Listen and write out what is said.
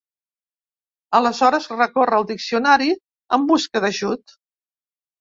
Aleshores recorre al diccionari en busca d'ajut.